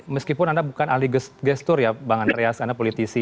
meskipun anda bukan ahli gestur ya bang andreas anda politisi